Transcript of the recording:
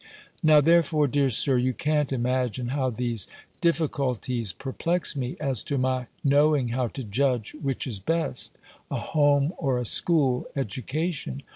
Now, therefore, dear Sir, you can't imagine how these difficulties perplex me, as to my knowing how to judge which is best, a home or a school education.